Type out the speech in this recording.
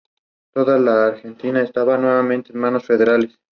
Actualmente forma parte del Châlons Reims de la Pro A francesa.